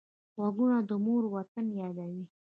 غوږونه د مور وطن یادوي